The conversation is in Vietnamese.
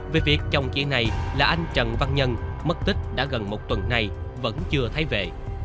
về việc chồng chị này là anh trần văn nhân mất tích đã gần một tuần nay vẫn chưa thấy vệ